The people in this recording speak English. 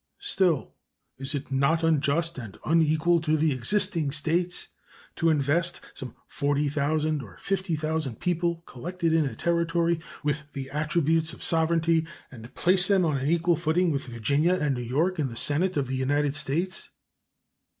Still, is it not unjust and unequal to the existing States to invest some 40,000 or 50,000 people collected in a Territory with the attributes of sovereignty and place them on an equal footing with Virginia and New York in the Senate of the United States?